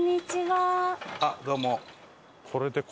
あっどうも。